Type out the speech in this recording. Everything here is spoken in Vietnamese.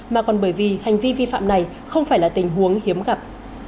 mà còn bởi vì hành vi vi phạm này không phải là tình huống hiếm gặp